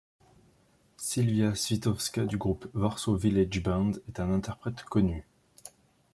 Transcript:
Sylwia Swiatkowska du groupe Warsaw Village Band en est un interprète connu.